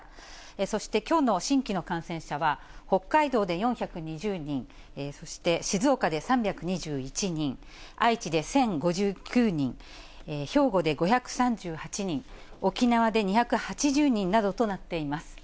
そしてきょうの新規の感染者は、北海道で４２０人、そして静岡で３２１人、愛知で１０５９人、兵庫で５３８人、沖縄で２８０人などとなっています。